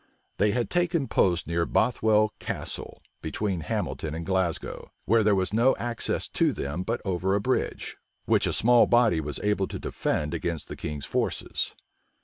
They had taken post near Bothwell Castle, between Hamilton and Glasgow, where there was no access to them but over a bridge, which a small body was able to defend against the king's forces.